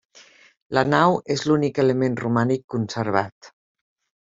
La nau és l'únic element romànic conservat.